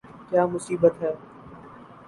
!کیا مصیبت ہے